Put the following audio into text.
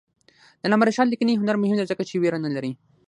د علامه رشاد لیکنی هنر مهم دی ځکه چې ویره نه لري.